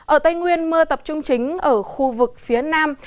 ở tây nguyên mưa tập trung chính ở khu vực phía nam